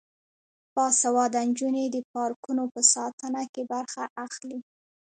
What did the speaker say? باسواده نجونې د پارکونو په ساتنه کې برخه اخلي.